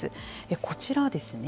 こちらですね